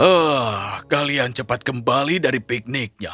ah kalian cepat kembali dari pikniknya